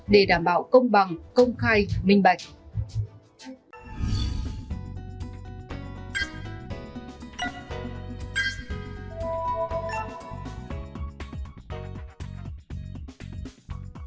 để đảm bảo công bằng công khai minh bạch